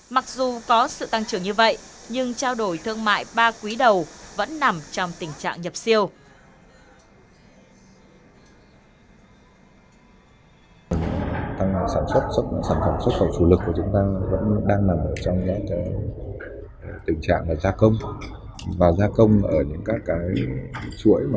mặc dù có sự tăng trưởng như vậy nhưng trao đổi thương mại ba quý đầu vẫn nằm trong tình trạng nhập siêu